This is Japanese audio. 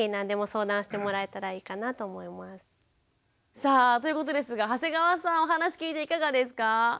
さあということですが長谷川さんお話聞いていかがですか？